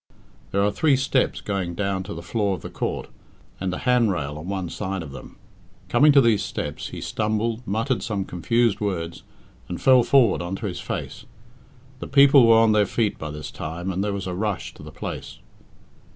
There are three steps going down to the floor of the court, and a handrail on one side of them. Coming to these steps, he stumbled, muttered some confused words, and fell forward on to his face. The people were on their feet by this time, and there was a rush to the place.